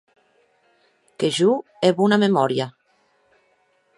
Que jo è bona memòria.